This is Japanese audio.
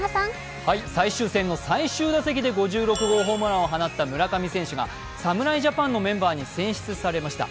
最終戦の最終打席で５６号ホームランを放った村上選手が侍ジャパンのメンバーに選出されました。